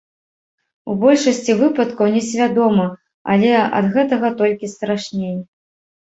У большасці выпадкаў несвядома, але ад гэтага толькі страшней.